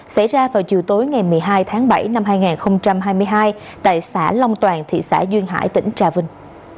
xảy ra vào chiều tối ngày một mươi hai tháng bảy năm hai nghìn hai mươi hai tại xã long toàn thị xã duyên hải tỉnh trà vinh